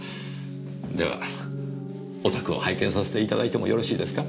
ではお宅を拝見させていただいてもよろしいですか？